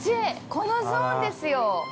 このゾーンですよ。